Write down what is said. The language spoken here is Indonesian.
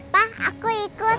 pak aku ikut